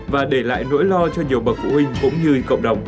và để lại nỗi lo cho nhiều bậc phụ huynh cũng như cộng đồng